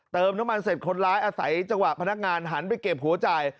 เติมน้ำมันเสร็จคนร้ายอาศัยจังหวะพนักงานหันไปเก็บหัวใจ